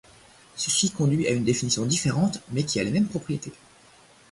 Ceci conduit à une définition différente mais qui a les mêmes propriétés.